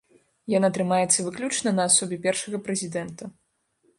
Яна трымаецца выключна на асобе першага прэзідэнта.